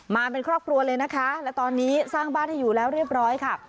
มาเป็นครอบครัวเลยนะคะและตอนนี้สร้างบ้านให้อยู่แล้วเรียบร้อยค่ะ